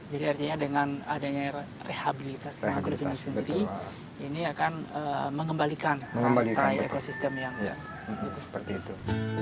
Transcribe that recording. jadi artinya dengan adanya rehabilitas tangkulupinnya sendiri ini akan mengembalikan ekosistem yang seperti itu